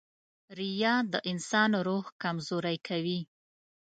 • ریا د انسان روح کمزوری کوي.